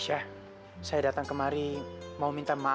kenehir agenda aku semua went kaw